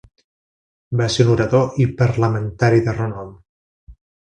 Va ser un orador i parlamentari de renom.